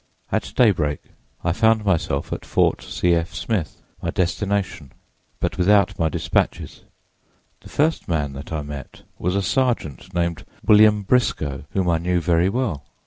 At daybreak I found myself at Fort C. F. Smith, my destination, but without my dispatches. The first man that I met was a sergeant named William Briscoe, whom I knew very well.